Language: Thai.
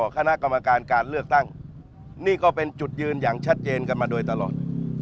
คณะกรรมการการเลือกตั้งนี่ก็เป็นจุดยืนอย่างชัดเจนกันมาโดยตลอด